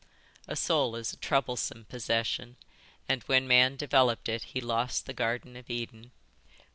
A soul is a troublesome possession and when man developed it he lost the Garden of Eden."